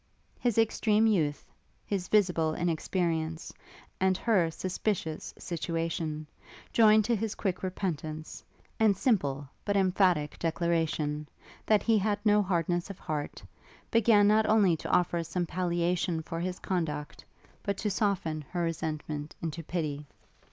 His extreme youth, his visible inexperience, and her suspicious situation; joined to his quick repentance, and simple, but emphatic declaration, that he had no hardness of heart, began not only to offer some palliation for his conduct, but to soften her resentment into pity.